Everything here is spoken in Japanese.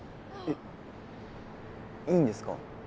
えっいいんですか？